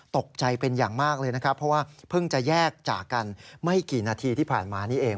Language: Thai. ตกใจเป็นอย่างมากเลยนะครับเพราะว่าเพิ่งจะแยกจากกันไม่กี่นาทีที่ผ่านมานี่เอง